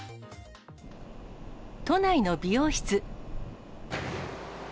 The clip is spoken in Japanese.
都内の美容室。